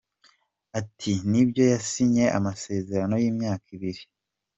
Ati “Nibyo yasinye amasezerano y’imyaka ibiri.